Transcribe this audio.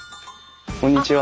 こんにちは。